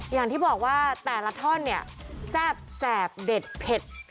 อย่างที่บอกว่าแต่ละท่อนเนี่ยแซ่บแจบเด็ดเผ็ด